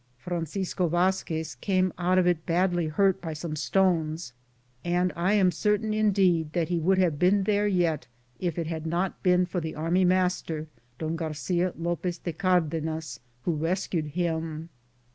Fran cisco Vazquez came out of it badly hurt by some stones, and I am certain, indeed, that he would have been there yet if it had not been for the army master, D. Garcia Lopez do Cardenas, who rescued him.